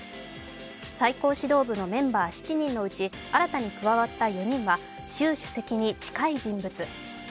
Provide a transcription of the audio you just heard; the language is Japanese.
最高指導部のメンバー７人のうち新たに加わった４人は習主席に近い人物。